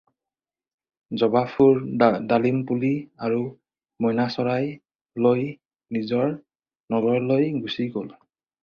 জবা ফুল, ডালিম পুলি আৰু মইনা চৰাই লৈ নিজৰ নগৰলৈ গুচি গ'ল।